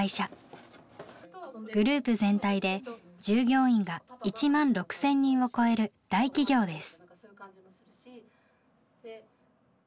グループ全体で従業員が１万６，０００人を超える大企業です。